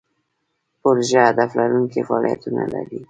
پروژه هدف لرونکي فعالیتونه لري.